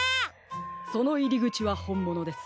そのいりぐちはほんものです。